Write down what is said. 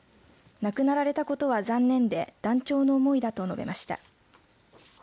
亡くなられたことは残念で断腸の思いだと述べました。